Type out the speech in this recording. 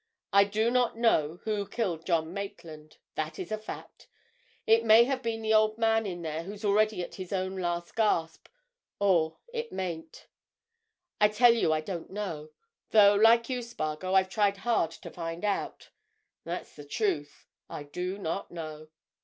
I do not know who killed John Maitland. That's a fact! It may have been the old man in there who's already at his own last gasp, or it mayn't. I tell you I don't know—though, like you, Spargo, I've tried hard to find out. That's the truth—I do not know."